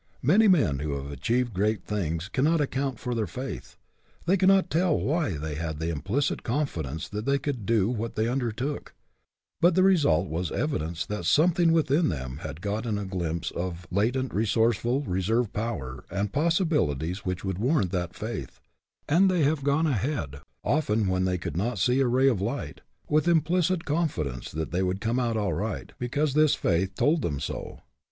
Many men who have achieved great things cannot account for their faith. They cannot tell why they had the implicit confidence that they could do what they undertook, but the result was evidence that something within them had gotten a glimpse of latent resourceful ness, reserve power, and possibilities which would warrant that faith ; and they have gone aheadoften when they could not see a ray of light with implicit confidence that they would come out all right, because this faith told them so.